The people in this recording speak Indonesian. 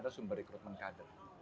ada sumber rekrutmen kader